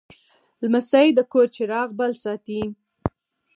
لمسی د کور چراغ بل ساتي.